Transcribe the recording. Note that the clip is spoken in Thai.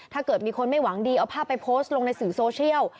ถ้าเกิดมีคนไม่หวังดีเอาภาพไปโพสต์ลงในสื่อโซเชียล